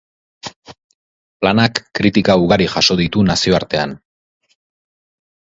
Planak kritika ugari jaso ditu nazioartean.